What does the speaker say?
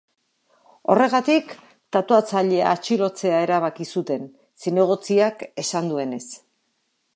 Horregatik, tatuatzailea atxilotzea erabaki zuten, zinegotziak esan duenez.